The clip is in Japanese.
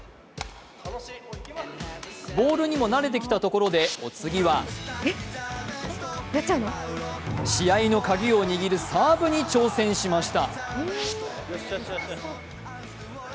ボールにも慣れてきたところでお次は試合のカギを握るサーブに挑戦しました。